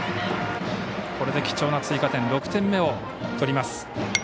これで貴重な追加点６点目を取ります。